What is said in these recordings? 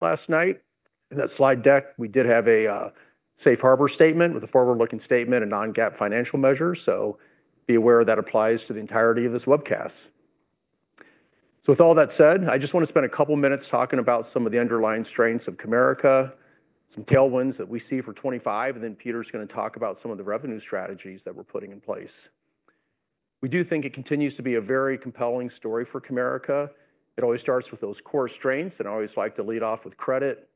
Last night, in that slide deck, we did have a safe harbor statement with a forward-looking statement and non-GAAP financial measures. So be aware that applies to the entirety of this webcast. So with all that said, I just want to spend a couple of minutes talking about some of the underlying strengths of Comerica, some tailwinds that we see for 2025, and then Peter's going to talk about some of the revenue strategies that we're putting in place. We do think it continues to be a very compelling story for Comerica. It always starts with those core strengths, and I always like to lead off with credit.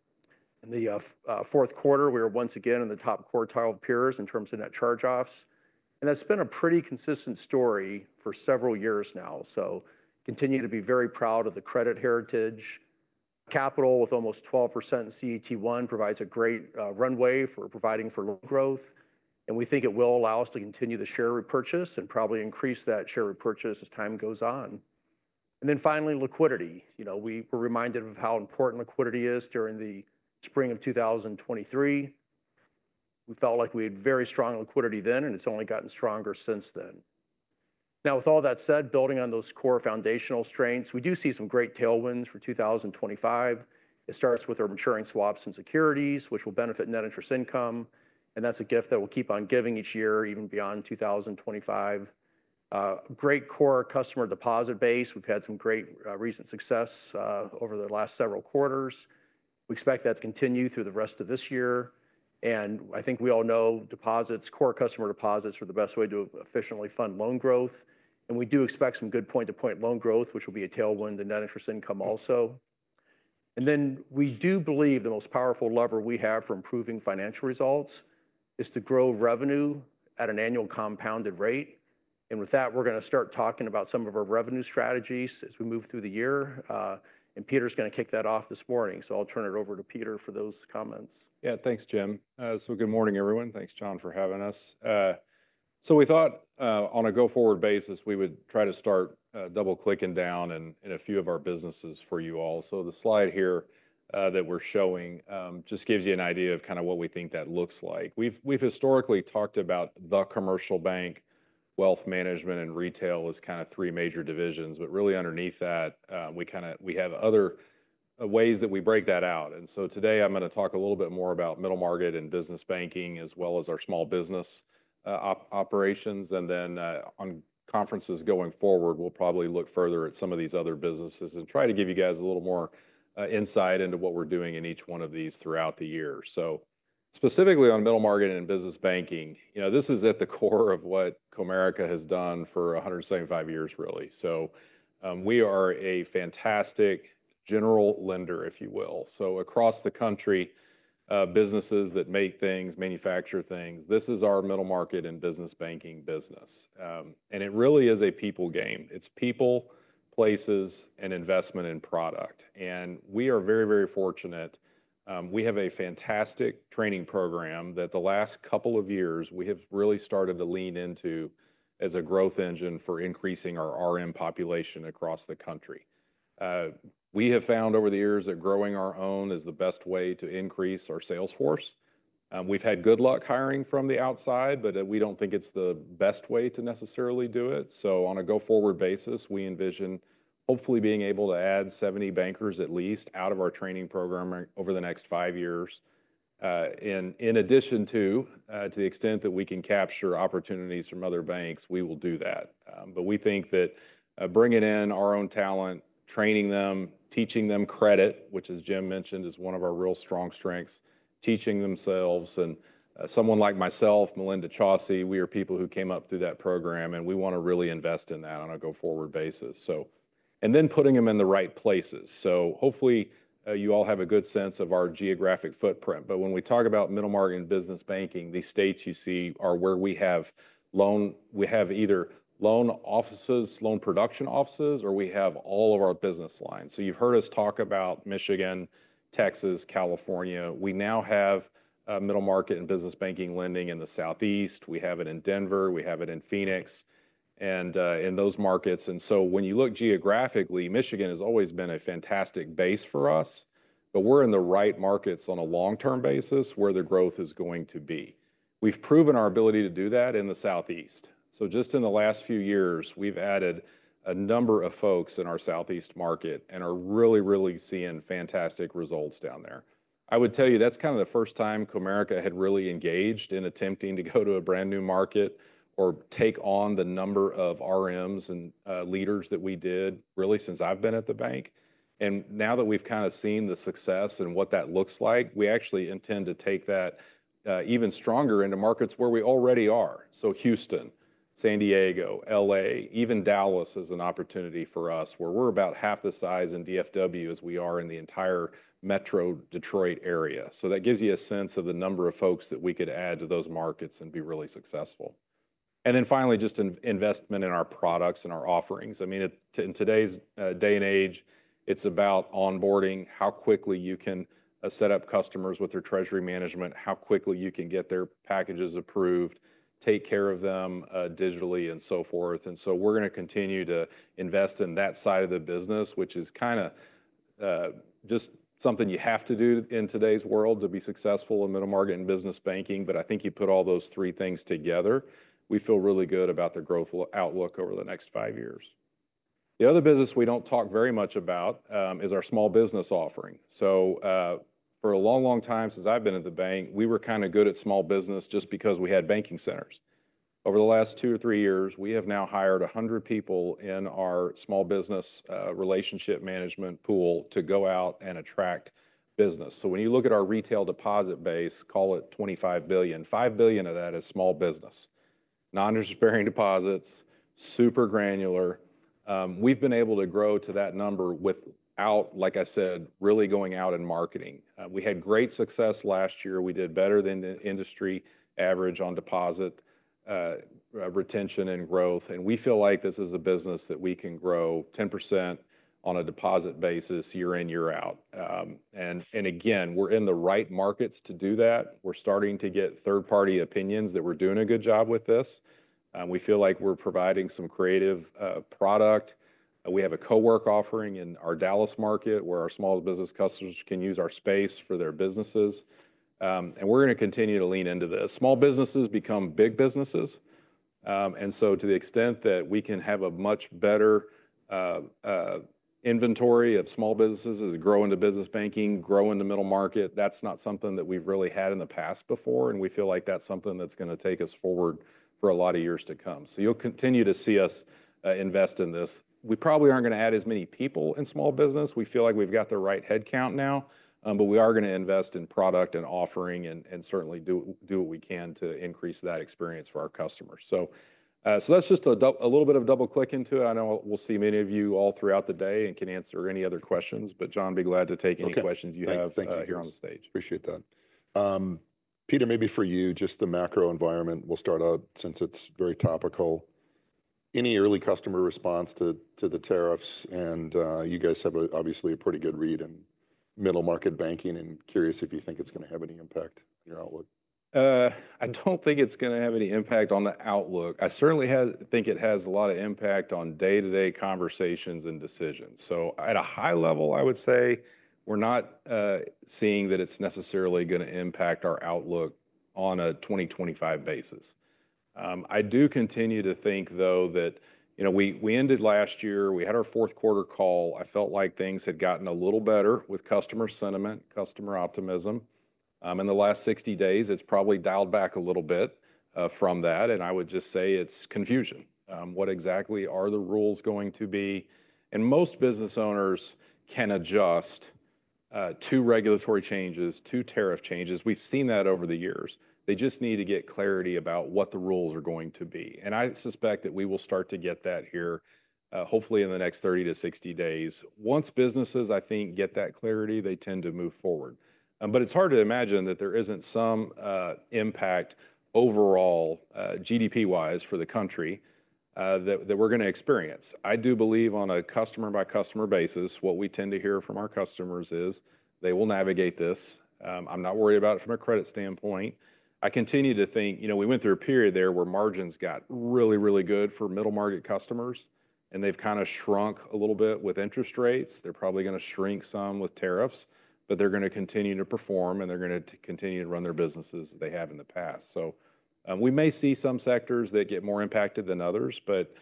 In the fourth quarter, we were once again in the top quartile of peers in terms of net charge-offs. And that's been a pretty consistent story for several years now. So continue to be very proud of the credit heritage. Capital, with almost 12% in CET1, provides a great runway for providing for growth. And we think it will allow us to continue the share repurchase and probably increase that share repurchase as time goes on. And then finally, liquidity. You know, we were reminded of how important liquidity is during the spring of 2023. We felt like we had very strong liquidity then, and it's only gotten stronger since then. Now, with all that said, building on those core foundational strengths, we do see some great tailwinds for 2025. It starts with our maturing swaps and securities, which will benefit net interest income. And that's a gift that we'll keep on giving each year, even beyond 2025. Great core customer deposit base. We've had some great recent success over the last several quarters. We expect that to continue through the rest of this year. I think we all know deposits, core customer deposits, are the best way to efficiently fund loan growth. We do expect some good point-to-point loan growth, which will be a tailwind to net interest income also. Then we do believe the most powerful lever we have for improving financial results is to grow revenue at an annual compounded rate. With that, we're going to start talking about some of our revenue strategies as we move through the year. Peter's going to kick that off this morning. I'll turn it over to Peter for those comments. Yeah, thanks, Jim. So good morning, everyone. Thanks, Jon, for having us. So we thought on a go-forward basis, we would try to start double-clicking down in a few of our businesses for you all. So the slide here that we're showing just gives you an idea of kind of what we think that looks like. We've historically talked about the commercial bank, wealth management, and retail as kind of three major divisions. But really underneath that, we have other ways that we break that out. And so today, I'm going to talk a little bit more about middle market and business banking, as well as our small business operations. And then on conferences going forward, we'll probably look further at some of these other businesses and try to give you guys a little more insight into what we're doing in each one of these throughout the year. So specifically on middle market and business banking, you know, this is at the core of what Comerica has done for 175 years, really. So we are a fantastic general lender, if you will. So across the country, businesses that make things, manufacture things, this is our middle market and business banking business. And it really is a people game. It's people, places, and investment in product. And we are very, very fortunate. We have a fantastic training program that the last couple of years we have really started to lean into as a growth engine for increasing our RM population across the country. We have found over the years that growing our own is the best way to increase our sales force. We've had good luck hiring from the outside, but we don't think it's the best way to necessarily do it. So on a go-forward basis, we envision hopefully being able to add 70 bankers at least out of our training program over the next five years. And in addition to the extent that we can capture opportunities from other banks, we will do that. But we think that bringing in our own talent, training them, teaching them credit, which, as Jim mentioned, is one of our real strong strengths, teaching themselves. And someone like myself, Melinda Chausse, we are people who came up through that program, and we want to really invest in that on a go-forward basis. And then putting them in the right places. So hopefully you all have a good sense of our geographic footprint. But when we talk about middle market and business banking, these states you see are where we have loan offices, loan production offices, or we have all of our business lines. So you've heard us talk about Michigan, Texas, California. We now have middle market and business banking lending in the Southeast. We have it in Denver. We have it in Phoenix and in those markets. And so when you look geographically, Michigan has always been a fantastic base for us, but we're in the right markets on a long-term basis where the growth is going to be. We've proven our ability to do that in the Southeast. So just in the last few years, we've added a number of folks in our Southeast market and are really, really seeing fantastic results down there. I would tell you that's kind of the first time Comerica had really engaged in attempting to go to a brand new market or take on the number of RMs and leaders that we did really since I've been at the bank. And now that we've kind of seen the success and what that looks like, we actually intend to take that even stronger into markets where we already are. So Houston, San Diego, LA, even Dallas is an opportunity for us where we're about half the size in DFW as we are in the entire Metro Detroit area. So that gives you a sense of the number of folks that we could add to those markets and be really successful. And then finally, just investment in our products and our offerings. I mean, in today's day and age, it's about onboarding, how quickly you can set up customers with their treasury management, how quickly you can get their packages approved, take care of them digitally, and so forth. And so we're going to continue to invest in that side of the business, which is kind of just something you have to do in today's world to be successful in middle market and business banking. But I think you put all those three things together, we feel really good about the growth outlook over the next five years. The other business we don't talk very much about is our small business offering. So for a long, long time since I've been at the bank, we were kind of good at small business just because we had banking centers. Over the last two or three years, we have now hired 100 people in our small business relationship management pool to go out and attract business. So when you look at our retail deposit base, call it $25 billion, $5 billion of that is small business, non-interest-bearing deposits, super granular. We've been able to grow to that number without, like I said, really going out and marketing. We had great success last year. We did better than the industry average on deposit retention and growth, and we feel like this is a business that we can grow 10% on a deposit basis year in, year out, and again, we're in the right markets to do that. We're starting to get third-party opinions that we're doing a good job with this. We feel like we're providing some creative product. We have a co-working offering in our Dallas market where our small business customers can use our space for their businesses, and we're going to continue to lean into this. Small businesses become big businesses. And so to the extent that we can have a much better inventory of small businesses as we grow into business banking, grow into middle market, that's not something that we've really had in the past before. And we feel like that's something that's going to take us forward for a lot of years to come. So you'll continue to see us invest in this. We probably aren't going to add as many people in small business. We feel like we've got the right headcount now, but we are going to invest in product and offering and certainly do what we can to increase that experience for our customers. So that's just a little bit of double-click into it. I know we'll see many of you all throughout the day and can answer any other questions. But Jon, be glad to take any questions you have here on the stage. Thank you. Appreciate that. Peter, maybe for you, just the macro environment, we'll start out since it's very topical. Any early customer response to the tariffs? And you guys have obviously a pretty good read in middle market banking. And curious if you think it's going to have any impact on your outlook. I don't think it's going to have any impact on the outlook. I certainly think it has a lot of impact on day-to-day conversations and decisions, so at a high level, I would say we're not seeing that it's necessarily going to impact our outlook on a 2025 basis. I do continue to think, though, that we ended last year, we had our fourth quarter call. I felt like things had gotten a little better with customer sentiment, customer optimism. In the last 60 days, it's probably dialed back a little bit from that, and I would just say it's confusion. What exactly are the rules going to be, and most business owners can adjust to regulatory changes, to tariff changes. We've seen that over the years. They just need to get clarity about what the rules are going to be. I suspect that we will start to get that here, hopefully in the next 30-60 days. Once businesses, I think, get that clarity, they tend to move forward. But it's hard to imagine that there isn't some impact overall GDP-wise for the country that we're going to experience. I do believe on a customer-by-customer basis, what we tend to hear from our customers is they will navigate this. I'm not worried about it from a credit standpoint. I continue to think, you know, we went through a period there where margins got really, really good for middle market customers, and they've kind of shrunk a little bit with interest rates. They're probably going to shrink some with tariffs, but they're going to continue to perform, and they're going to continue to run their businesses they have in the past. So we may see some sectors that get more impacted than others, but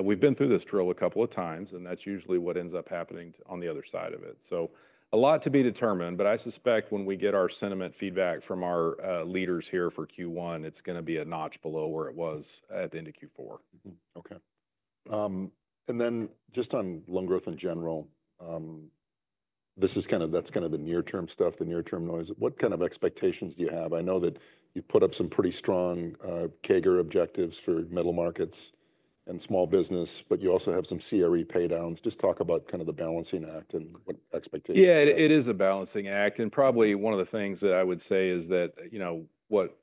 we've been through this drill a couple of times, and that's usually what ends up happening on the other side of it. So a lot to be determined, but I suspect when we get our sentiment feedback from our leaders here for Q1, it's going to be a notch below where it was at the end of Q4. Okay. And then just on loan growth in general, this is kind of the near-term stuff, the near-term noise. What kind of expectations do you have? I know that you've put up some pretty strong CAGR objectives for middle markets and small business, but you also have some CRE paydowns. Just talk about kind of the balancing act and what expectations. Yeah, it is a balancing act, and probably one of the things that I would say is that, you know, what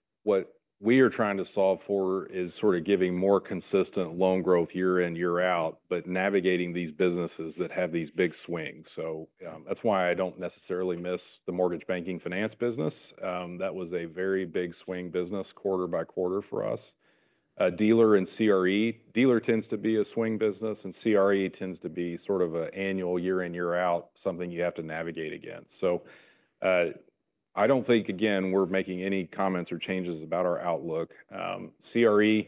we are trying to solve for is sort of giving more consistent loan growth year in, year out, but navigating these businesses that have these big swings. So that's why I don't necessarily miss the mortgage banking finance business. That was a very big swing business quarter by quarter for us. Dealer and CRE, dealer tends to be a swing business, and CRE tends to be sort of an annual year in, year out, something you have to navigate against. So I don't think, again, we're making any comments or changes about our outlook. CRE,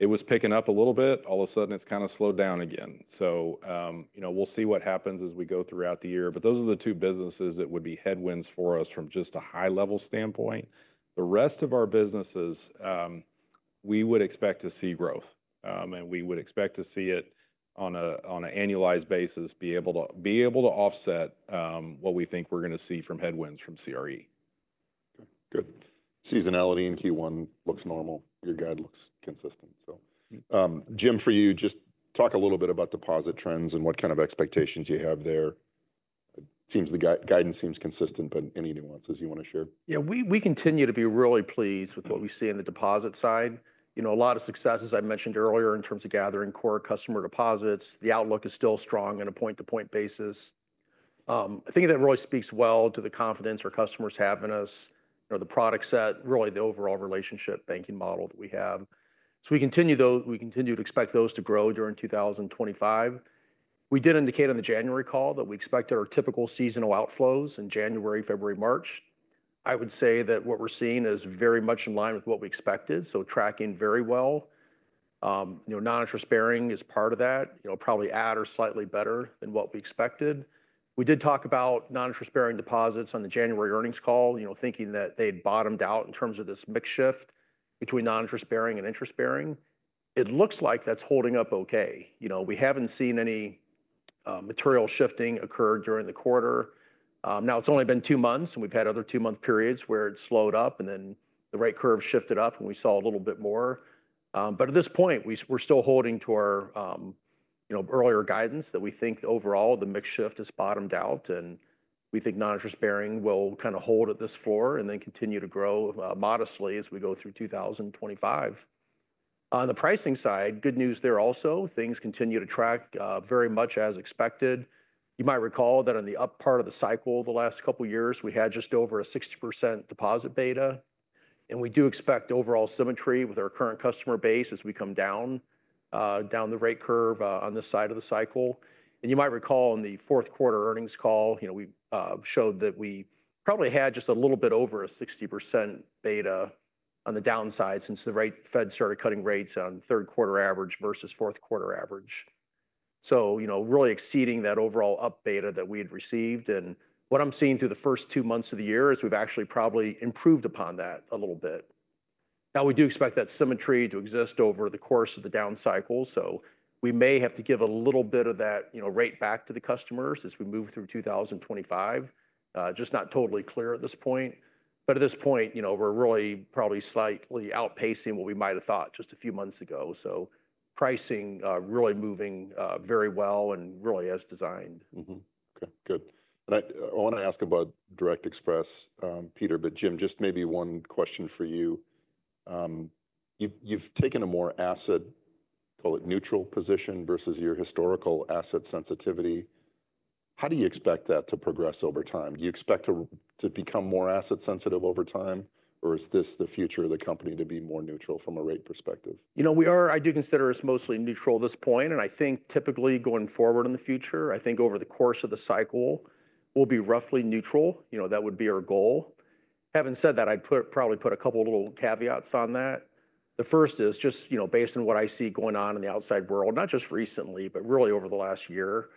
it was picking up a little bit. All of a sudden, it's kind of slowed down again. So, you know, we'll see what happens as we go throughout the year. But those are the two businesses that would be headwinds for us from just a high-level standpoint. The rest of our businesses, we would expect to see growth, and we would expect to see it on an annualized basis, be able to offset what we think we're going to see from headwinds from CRE. Good. Seasonality in Q1 looks normal. Your guide looks consistent. So, Jim, for you, just talk a little bit about deposit trends and what kind of expectations you have there. It seems the guidance seems consistent, but any nuances you want to share? Yeah, we continue to be really pleased with what we see on the deposit side. You know, a lot of successes I mentioned earlier in terms of gathering core customer deposits. The outlook is still strong on a point-to-point basis. I think that really speaks well to the confidence our customers have in us, the product set, really the overall relationship banking model that we have. So we continue to expect those to grow during 2025. We did indicate on the January call that we expected our typical seasonal outflows in January, February, March. I would say that what we're seeing is very much in line with what we expected, so tracking very well. Non-interest-bearing is part of that, probably at or slightly better than what we expected. We did talk about non-interest-bearing deposits on the January earnings call, thinking that they had bottomed out in terms of this mix shift between non-interest-bearing and interest-bearing. It looks like that's holding up okay. We haven't seen any material shifting occur during the quarter. Now, it's only been two months, and we've had other two-month periods where it slowed up, and then the yield curve shifted up, and we saw a little bit more. But at this point, we're still holding to our earlier guidance that we think overall the mix shift has bottomed out, and we think non-interest-bearing will kind of hold at this floor and then continue to grow modestly as we go through 2025. On the pricing side, good news there also. Things continue to track very much as expected. You might recall that on the up part of the cycle of the last couple of years, we had just over a 60% deposit beta, and we do expect overall symmetry with our current customer base as we come down the rate curve on this side of the cycle, and you might recall on the fourth quarter earnings call, we showed that we probably had just a little bit over a 60% beta on the downside since the Fed started cutting rates on third quarter average versus fourth quarter average, so, you know, really exceeding that overall up beta that we had received, and what I'm seeing through the first two months of the year is we've actually probably improved upon that a little bit. Now, we do expect that symmetry to exist over the course of the down cycle. So we may have to give a little bit of that rate back to the customers as we move through 2025. Just not totally clear at this point. But at this point, you know, we're really probably slightly outpacing what we might have thought just a few months ago. So pricing really moving very well and really as designed. Okay, good. And I want to ask about Direct Express, Peter, but Jim, just maybe one question for you. You've taken a more asset, call it neutral position versus your historical asset sensitivity. How do you expect that to progress over time? Do you expect to become more asset sensitive over time, or is this the future of the company to be more neutral from a rate perspective? You know, we are. I do consider us mostly neutral at this point. And I think typically going forward in the future, I think over the course of the cycle, we'll be roughly neutral. You know, that would be our goal. Having said that, I'd probably put a couple of little caveats on that. The first is just, you know, based on what I see going on in the outside world, not just recently, but really over the last year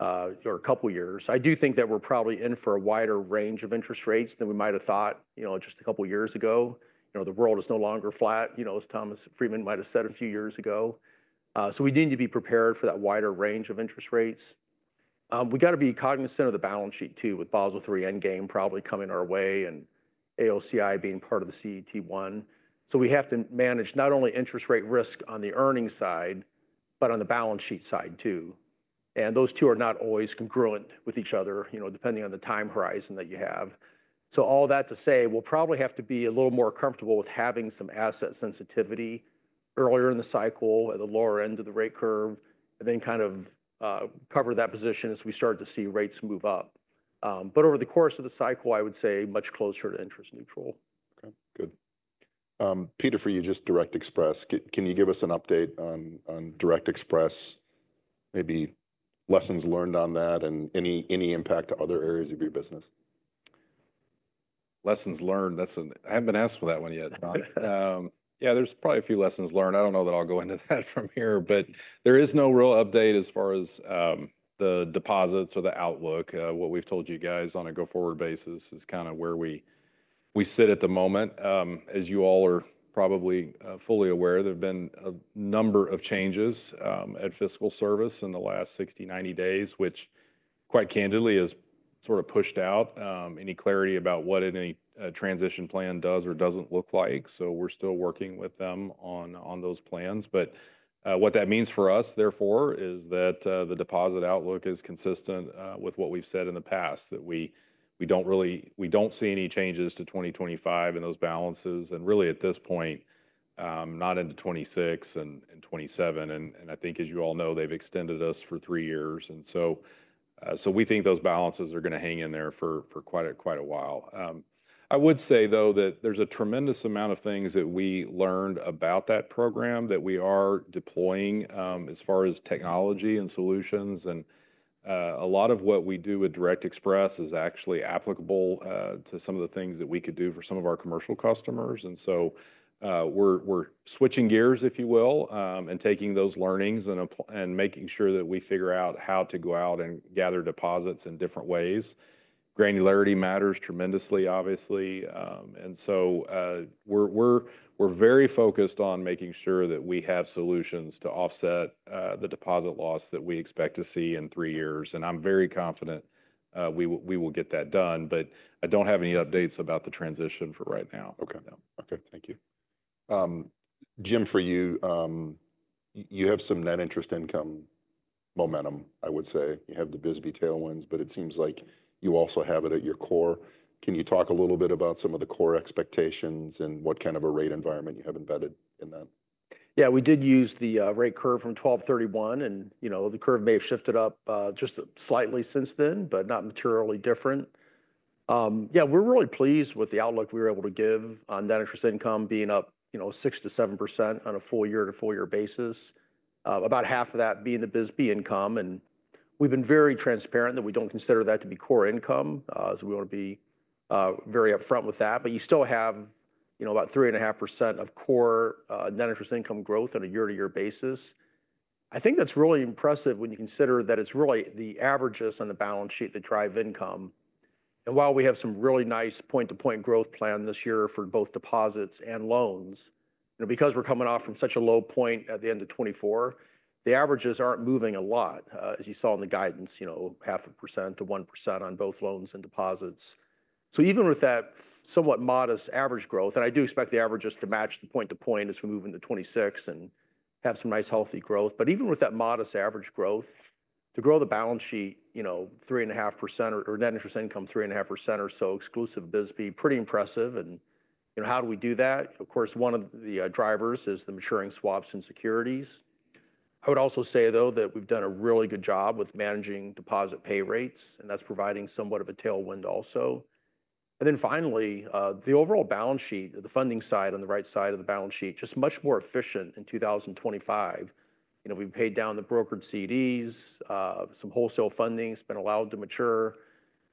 or a couple of years, I do think that we're probably in for a wider range of interest rates than we might have thought, you know, just a couple of years ago. You know, the world is no longer flat, you know, as Thomas Friedman might have said a few years ago. So we need to be prepared for that wider range of interest rates. We got to be cognizant of the balance sheet too, with Basel III Endgame probably coming our way and AOCI being part of the CET1. So we have to manage not only interest rate risk on the earnings side, but on the balance sheet side too. And those two are not always congruent with each other, you know, depending on the time horizon that you have. So all that to say, we'll probably have to be a little more comfortable with having some asset sensitivity earlier in the cycle at the lower end of the rate curve and then kind of cover that position as we start to see rates move up. But over the course of the cycle, I would say much closer to interest neutral. Okay, good. Peter, for you, just Direct Express. Can you give us an update on Direct Express, maybe lessons learned on that and any impact to other areas of your business? Lessons learned, that's one I haven't been asked for yet, Jon. Yeah, there's probably a few lessons learned. I don't know that I'll go into that from here, but there is no real update as far as the deposits or the outlook. What we've told you guys on a go-forward basis is kind of where we sit at the moment. As you all are probably fully aware, there have been a number of changes at Fiscal Service in the last 60, 90 days, which quite candidly has sort of pushed out any clarity about what any transition plan does or doesn't look like. So we're still working with them on those plans. But what that means for us, therefore, is that the deposit outlook is consistent with what we've said in the past, that we don't see any changes to 2025 in those balances. And really at this point, not into 2026 and 2027. And I think, as you all know, they've extended us for three years. And so we think those balances are going to hang in there for quite a while. I would say, though, that there's a tremendous amount of things that we learned about that program that we are deploying as far as technology and solutions. And a lot of what we do with Direct Express is actually applicable to some of the things that we could do for some of our commercial customers. And so we're switching gears, if you will, and taking those learnings and making sure that we figure out how to go out and gather deposits in different ways. Granularity matters tremendously, obviously. And so we're very focused on making sure that we have solutions to offset the deposit loss that we expect to see in three years. And I'm very confident we will get that done. But I don't have any updates about the transition for right now. Okay. Okay, thank you. Jim, for you, you have some net interest income momentum, I would say. You have the BSBY tailwinds, but it seems like you also have it at your core. Can you talk a little bit about some of the core expectations and what kind of a rate environment you have embedded in that? Yeah, we did use the rate curve from 12/31, and you know, the curve may have shifted up just slightly since then, but not materially different. Yeah, we're really pleased with the outlook we were able to give on net interest income being up, you know, 6%-7% on a full year to full year basis, about half of that being the BSBY income. And we've been very transparent that we don't consider that to be core income as we want to be very upfront with that. But you still have, you know, about 3.5% of core net interest income growth on a year-to-year basis. I think that's really impressive when you consider that it's really the averages on the balance sheet that drive income. And while we have some really nice point-to-point growth plan this year for both deposits and loans, you know, because we're coming off from such a low point at the end of 2024, the averages aren't moving a lot, as you saw in the guidance, you know, 0.5%-1% on both loans and deposits. So even with that somewhat modest average growth, and I do expect the averages to match the point-to-point as we move into 2026 and have some nice healthy growth. But even with that modest average growth, to grow the balance sheet, you know, 3.5% or net interest income 3.5% or so exclusive of BSBY, pretty impressive. And you know, how do we do that? Of course, one of the drivers is the maturing swaps and securities. I would also say, though, that we've done a really good job with managing deposit pay rates, and that's providing somewhat of a tailwind also, and then finally, the overall balance sheet, the funding side on the right side of the balance sheet, just much more efficient in 2025. You know, we've paid down the brokered CDs, some wholesale funding has been allowed to mature.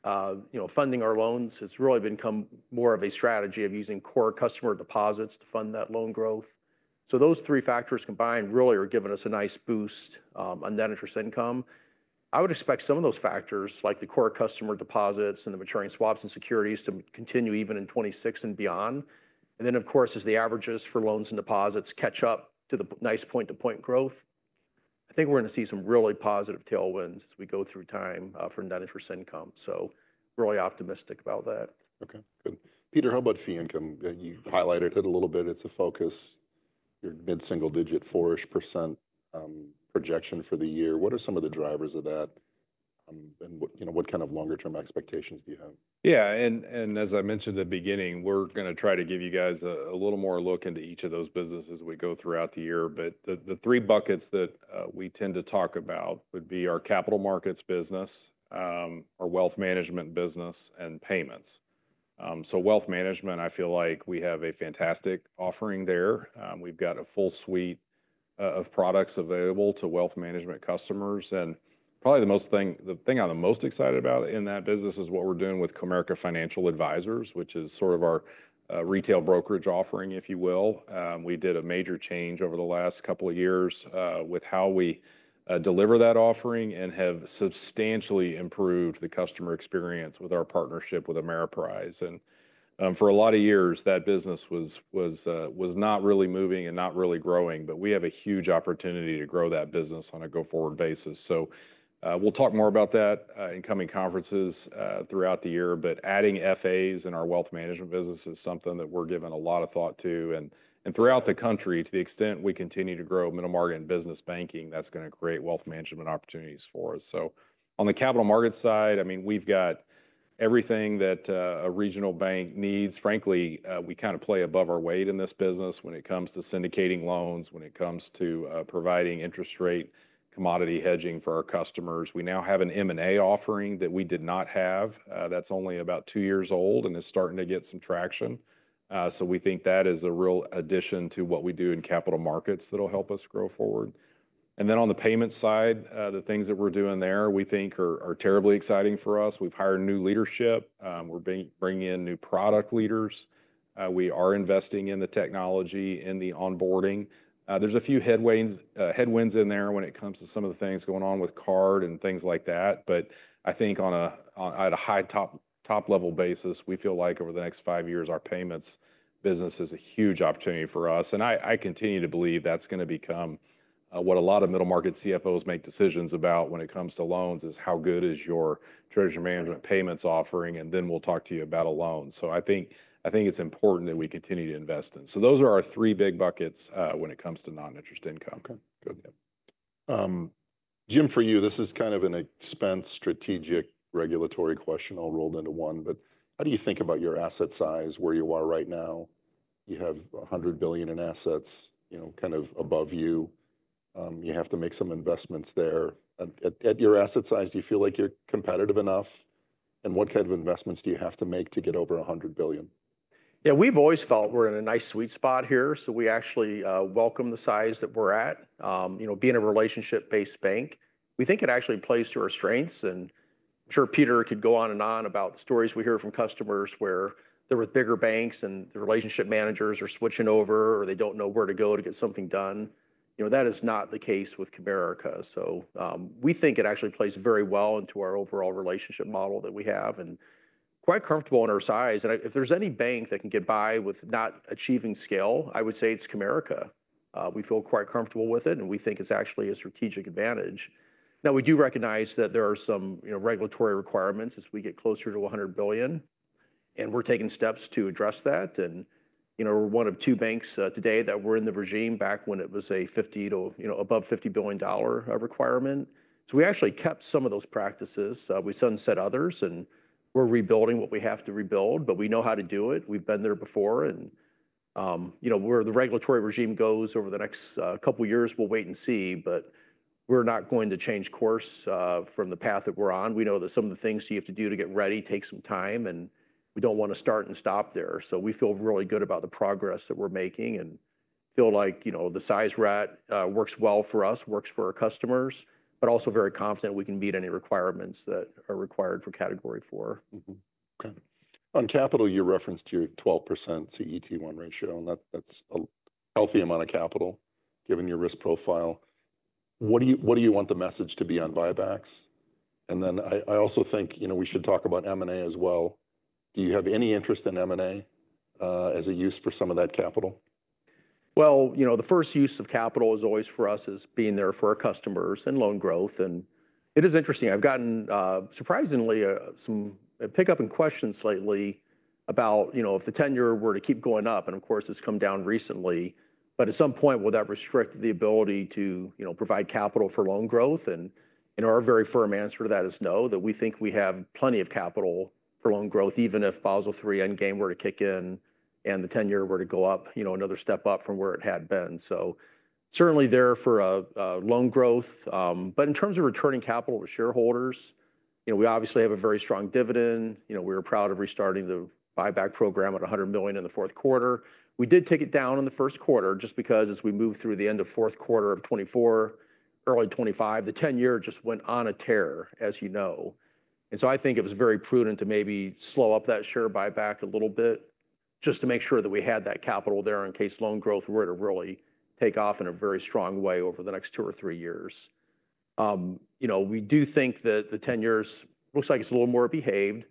You know, funding our loans has really become more of a strategy of using core customer deposits to fund that loan growth, so those three factors combined really are giving us a nice boost on net interest income. I would expect some of those factors, like the core customer deposits and the maturing swaps and securities, to continue even in 2026 and beyond. And then, of course, as the averages for loans and deposits catch up to the nice point-to-point growth, I think we're going to see some really positive tailwinds as we go through time for net interest income. So really optimistic about that. Okay, good. Peter, how about fee income? You highlighted it a little bit. It's a focus, your mid-single digit four-ish % projection for the year. What are some of the drivers of that? And what kind of longer-term expectations do you have? Yeah, and as I mentioned at the beginning, we're going to try to give you guys a little more look into each of those businesses as we go throughout the year. But the three buckets that we tend to talk about would be our capital markets business, our wealth management business, and payments. So wealth management, I feel like we have a fantastic offering there. We've got a full suite of products available to wealth management customers. And probably the thing I'm the most excited about in that business is what we're doing with Comerica Financial Advisors, which is sort of our retail brokerage offering, if you will. We did a major change over the last couple of years with how we deliver that offering and have substantially improved the customer experience with our partnership with Ameriprise. And for a lot of years, that business was not really moving and not really growing, but we have a huge opportunity to grow that business on a go-forward basis. So we'll talk more about that in coming conferences throughout the year. But adding FAs in our wealth management business is something that we're giving a lot of thought to. And throughout the country, to the extent we continue to grow middle market and business banking, that's going to create wealth management opportunities for us. So on the capital market side, I mean, we've got everything that a regional bank needs. Frankly, we kind of play above our weight in this business when it comes to syndicating loans, when it comes to providing interest rate commodity hedging for our customers. We now have an M&A offering that we did not have. That's only about two years old and is starting to get some traction. So we think that is a real addition to what we do in capital markets that'll help us grow forward. And then on the payment side, the things that we're doing there, we think are terribly exciting for us. We've hired new leadership. We're bringing in new product leaders. We are investing in the technology, in the onboarding. There's a few headwinds in there when it comes to some of the things going on with card and things like that. But I think on a high top-level basis, we feel like over the next five years, our payments business is a huge opportunity for us. I continue to believe that's going to become what a lot of middle market CFOs make decisions about when it comes to loans is how good is your treasury management payments offering, and then we'll talk to you about a loan. I think it's important that we continue to invest in. Those are our three big buckets when it comes to non-interest income. Okay, good. Jim, for you, this is kind of an expense, strategic, regulatory question all rolled into one. But how do you think about your asset size, where you are right now? You have $100 billion in assets, you know, kind of above you. You have to make some investments there. At your asset size, do you feel like you're competitive enough? And what kind of investments do you have to make to get over $100 billion? Yeah, we've always felt we're in a nice sweet spot here. So we actually welcome the size that we're at. You know, being a relationship-based bank, we think it actually plays to our strengths. And I'm sure Peter could go on and on about the stories we hear from customers where there were bigger banks and the relationship managers are switching over or they don't know where to go to get something done. You know, that is not the case with Comerica. So we think it actually plays very well into our overall relationship model that we have and quite comfortable in our size. And if there's any bank that can get by with not achieving scale, I would say it's Comerica. We feel quite comfortable with it, and we think it's actually a strategic advantage. Now, we do recognize that there are some, you know, regulatory requirements as we get closer to $100 billion, and we're taking steps to address that. And, you know, we're one of two banks today that were in the regime back when it was a 50 to, you know, above $50 billion requirement. So we actually kept some of those practices. We sunset others, and we're rebuilding what we have to rebuild, but we know how to do it. We've been there before. And, you know, where the regulatory regime goes over the next couple of years, we'll wait and see. But we're not going to change course from the path that we're on. We know that some of the things you have to do to get ready take some time, and we don't want to start and stop there. So we feel really good about the progress that we're making and feel like, you know, the size rating works well for us, works for our customers, but also very confident we can meet any requirements that are required for category four. Okay. On capital, you referenced your 12% CET1 ratio, and that's a healthy amount of capital given your risk profile. What do you want the message to be on buybacks? And then I also think, you know, we should talk about M&A as well. Do you have any interest in M&A as a use for some of that capital? You know, the first use of capital is always for us as being there for our customers and loan growth. And it is interesting. I've gotten surprisingly some pickup and questions lately about, you know, if the 10-year were to keep going up, and of course, it's come down recently, but at some point, will that restrict the ability to, you know, provide capital for loan growth? And our very firm answer to that is no, that we think we have plenty of capital for loan growth, even if Basel III Endgame were to kick in and the 10-year were to go up, you know, another step up from where it had been. So certainly there for loan growth. But in terms of returning capital to shareholders, you know, we obviously have a very strong dividend. You know, we were proud of restarting the buyback program at $100 million in the fourth quarter. We did take it down in the first quarter just because as we moved through the end of fourth quarter of 2024, early 2025, the 10-year just went on a tear, as you know. And so I think it was very prudent to maybe slow up that share buyback a little bit just to make sure that we had that capital there in case loan growth were to really take off in a very strong way over the next two or three years. You know, we do think that the 10-year looks like it's a little more behaved.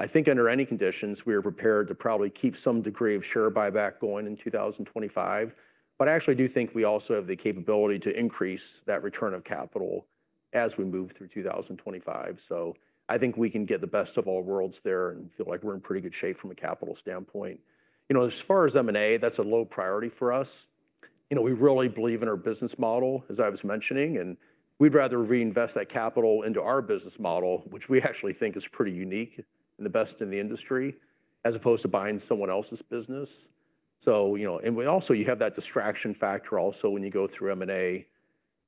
I think under any conditions, we are prepared to probably keep some degree of share buyback going in 2025. But I actually do think we also have the capability to increase that return of capital as we move through 2025. So I think we can get the best of all worlds there and feel like we're in pretty good shape from a capital standpoint. You know, as far as M&A, that's a low priority for us. You know, we really believe in our business model, as I was mentioning, and we'd rather reinvest that capital into our business model, which we actually think is pretty unique and the best in the industry as opposed to buying someone else's business. So, you know, and we also have that distraction factor also when you go through M&A.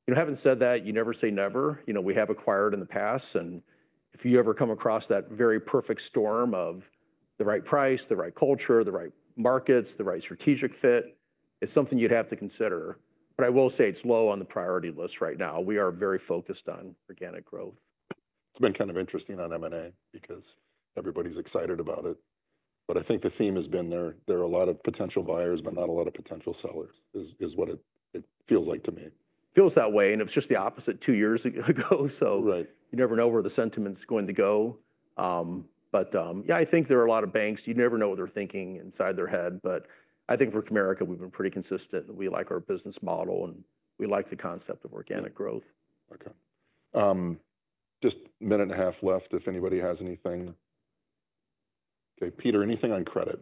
You know, having said that, you never say never. You know, we have acquired in the past, and if you ever come across that very perfect storm of the right price, the right culture, the right markets, the right strategic fit, it's something you'd have to consider. But I will say it's low on the priority list right now. We are very focused on organic growth. It's been kind of interesting on M&A because everybody's excited about it. But I think the theme has been there are a lot of potential buyers, but not a lot of potential sellers is what it feels like to me. Feels that way. And it was just the opposite two years ago. So you never know where the sentiment's going to go. But yeah, I think there are a lot of banks. You never know what they're thinking inside their head. But I think for Comerica, we've been pretty consistent that we like our business model and we like the concept of organic growth. Okay. Just a minute and a half left if anybody has anything. Okay, Peter, anything on credit?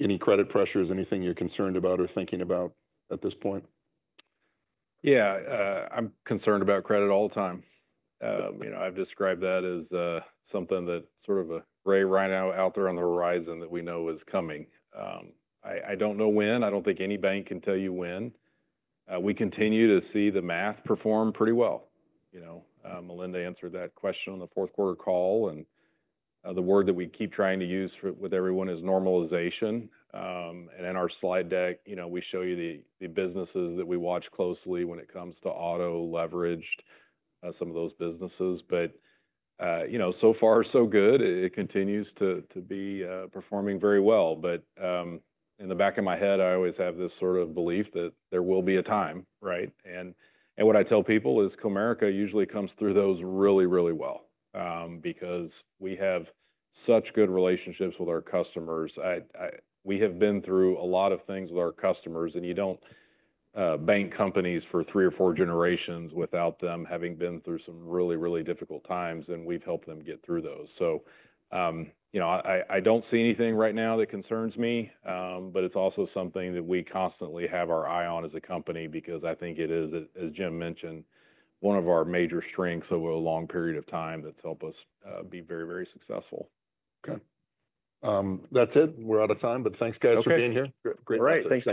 Any credit pressures, anything you're concerned about or thinking about at this point? Yeah, I'm concerned about credit all the time. You know, I've described that as something that sort of a gray rhino out there on the horizon that we know is coming. I don't know when. I don't think any bank can tell you when. We continue to see the math perform pretty well. You know, Melinda answered that question on the fourth quarter call, and the word that we keep trying to use with everyone is normalization, and in our slide deck, you know, we show you the businesses that we watch closely when it comes to auto leveraged some of those businesses, but, you know, so far, so good. It continues to be performing very well. But in the back of my head, I always have this sort of belief that there will be a time, right? What I tell people is Comerica usually comes through those really, really well because we have such good relationships with our customers. We have been through a lot of things with our customers. You don't bank companies for three or four generations without them having been through some really, really difficult times. We've helped them get through those. So, you know, I don't see anything right now that concerns me, but it's also something that we constantly have our eye on as a company because I think it is, as Jim mentioned, one of our major strengths over a long period of time that's helped us be very, very successful. Okay. That's it. We're out of time, but thanks, guys, for being here. All right. Thanks.